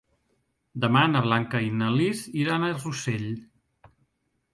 Demà na Blanca i na Lis iran a Rossell.